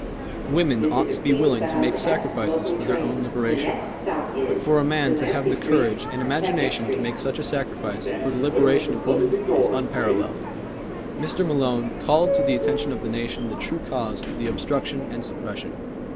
Women ought to be willing to make sacrifices for their own liberation, but for a man to have the courage and imagination to make such a sacrifice for the liberation of women is unparalleled. Mr. Malone called to the attention of the nation the true cause of the obstruction and suppression.